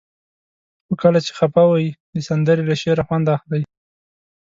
خو کله چې خفه وئ؛ د سندرې له شعره خوند اخلئ.